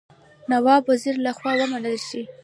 نواب وزیر له خوا ومنل شي.